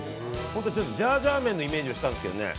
ジャージャー麺のイメージをしてたんですけどね。